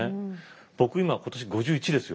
僕今今年５１ですよ。